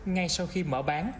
ngay sau khi mở bán